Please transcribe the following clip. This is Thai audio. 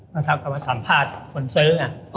มันทำคำว่าสัมภาษณ์คนเซอร์อ่ะ